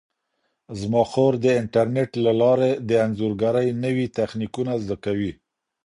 زما خور د انټرنیټ له لارې د انځورګرۍ نوي تخنیکونه زده کوي.